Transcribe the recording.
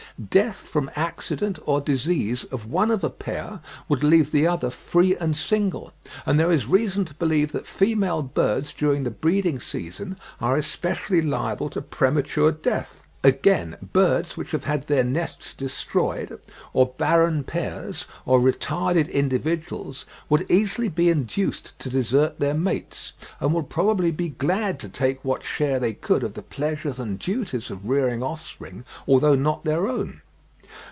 Death from accident or disease of one of a pair would leave the other free and single; and there is reason to believe that female birds during the breeding season are especially liable to premature death. Again, birds which have had their nests destroyed, or barren pairs, or retarded individuals, would easily be induced to desert their mates, and would probably be glad to take what share they could of the pleasures and duties of rearing offspring although not their own.